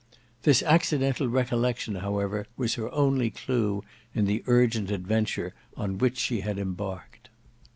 This accidental recollection however was her only clue in the urgent adventure on which she had embarked.